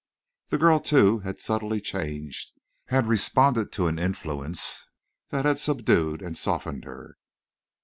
The girl, too, had subtly changed, had responded to an influence that had subdued and softened her.